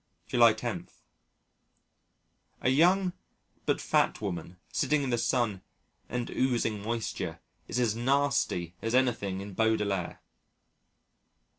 July 10. A young but fat woman sitting in the sun and oozing moisture is as nasty as anything in Baudelaire.